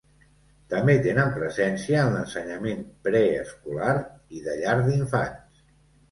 També tenen presència en l'ensenyament preescolar i de llar d'infants.